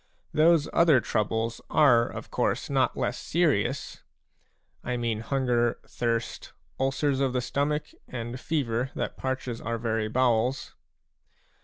Those other troubles are of course not less serious; I mean hunger, thirst, ulcers of the stomach, and fever that parches our very bowels.